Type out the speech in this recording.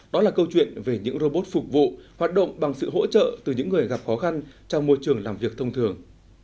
đó là câu chuyện về những robot phục vụ hoạt động bằng sự hỗ trợ từ những người gặp khó khăn trong môi trường làm việc thông thường